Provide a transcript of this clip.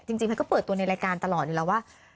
จริงแพทย์ก็เปิดตัวในรายการตลอดเลยว่า